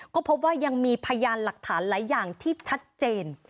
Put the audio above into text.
ก็พบว่ายังมีพยานหลักฐานหลายอย่างที่ชัดเจน